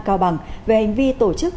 cao bằng về hành vi tổ chức